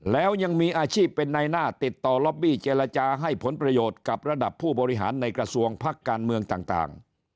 แล้วยังมีอาชีพเป็นในหน้าติดต่อล็อบบี้เจรจาให้ผลประโยชน์กับระดับผู้บริหารในกระทรวงพักการเมืองต่าง